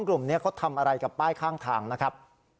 กลุ่มนี้เขาทำอะไรกับป้ายข้างทางนะครับ